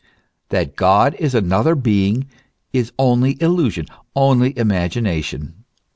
f That God is another being is only illusion, only imagination.